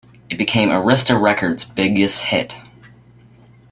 It became Arista Records' biggest hit.